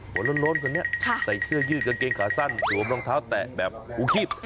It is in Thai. โล้นคนนี้ใส่เสื้อยืดกางเกงขาสั้นสวมรองเท้าแตะแบบอูคีบ